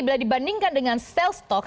bila dibandingkan dengan sel stok